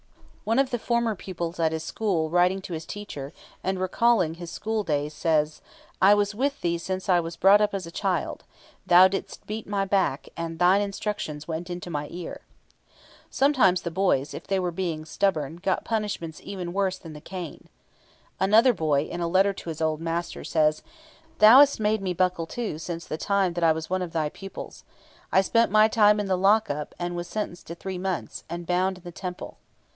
One of the former pupils at his school writing to his teacher, and recalling his school days, says: "I was with thee since I was brought up as a child; thou didst beat my back, and thine instructions went into my ear." Sometimes the boys, if they were stubborn, got punishments even worse than the cane. Another boy, in a letter to his old master, says: "Thou hast made me buckle to since the time that I was one of thy pupils. I spent my time in the lock up, and was sentenced to three months, and bound in the temple."